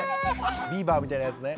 ビーバーみたいなやつね。